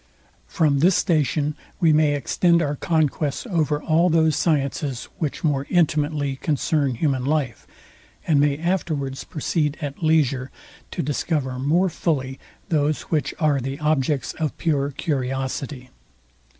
From this station we may extend our conquests over all those sciences, which more intimately concern human life, and may afterwards proceed at leisure to discover more fully those, which are the objects of pore curiosity.